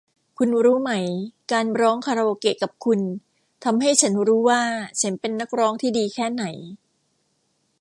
คุณรู้ไหมการร้องคาราโอเกะกับคุณทำให้ฉันรู้ว่าฉันเป็นนักร้องที่ดีแค่ไหน